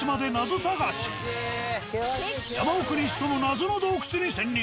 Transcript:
山奥に潜む謎の洞窟に潜入。